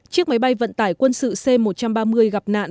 chiếc máy bay vận tải quân sự c một trăm ba mươi gặp nạn